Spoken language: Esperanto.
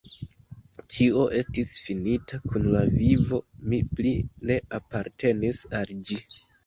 Ĉio estis finita kun la vivo: mi pli ne apartenis al ĝi.